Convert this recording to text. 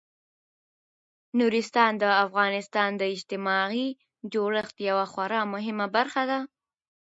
نورستان د افغانستان د اجتماعي جوړښت یوه خورا مهمه برخه ده.